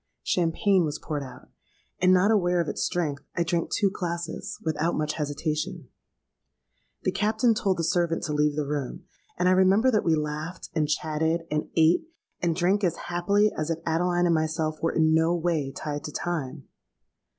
Champagne was poured out; and, not aware of its strength, I drank two glasses without much hesitation. The Captain told the servant to leave the room; and I remember that we laughed, and chatted, and ate, and drank as happily as if Adeline and myself were in no way tied to time.